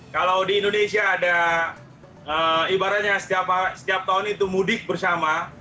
kalau di indonesia ada ibaratnya setiap tahun itu mudik bersama